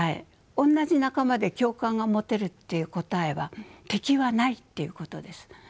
おんなじ仲間で共感が持てるっていう答えは敵はないっていうことです。